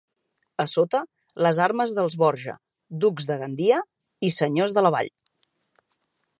A sota, les armes dels Borja, ducs de Gandia i senyors de la vall.